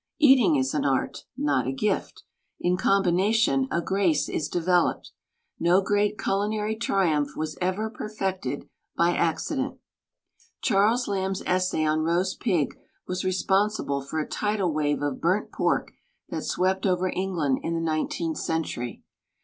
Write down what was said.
Eating is an art, not d gift; In Combination a grace is developed. Nd great ciilinary triiinlph was ever perfected by accident. Gharles Laiiib's essay oii irbast pig was responsible for a tidal wave 6i burnt pbrk that sweJDt ovfer England in this iiirieteerith centiiry.